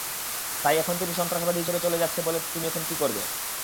তাই এখন তিনি সন্ত্রাসবাদী হিসাবে চলে যাচ্ছে তুমি এখন কি করবে?